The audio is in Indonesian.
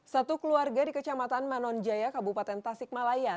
satu keluarga di kecamatan manonjaya kabupaten tasikmalaya